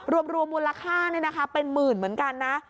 รวมมูลค่าเป็นหมื่นเหมือนกันนะ